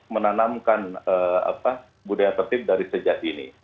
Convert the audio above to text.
menanamkan budaya tertib dari sejak ini